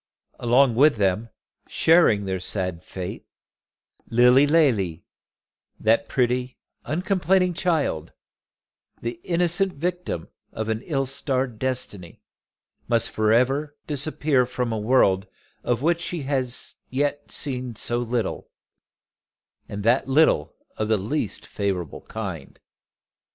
Along with them, sharing their sad fate, Lilly Lalee, that pretty, uncomplaining child, the innocent victim of an ill starred destiny, must disappear forever from a world of which she had as yet seen so little, and that little of the least favourable kind.